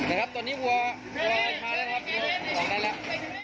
เดี๋ยวครับตัวนี้วัวพร้อมรายชานะครับ